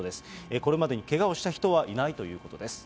これまでにけがをした人はいないということです。